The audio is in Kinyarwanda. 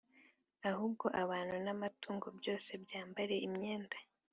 Ahubwo abantu n’amatungo byose byambare imyenda